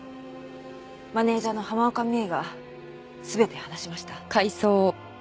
マネジャーの浜岡実枝が全て話しました。